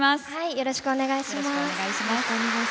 よろしくお願いします。